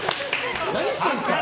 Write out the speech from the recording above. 何してんすか。